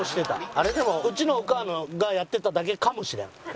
あれでもうちのお母がやってただけかもしれん。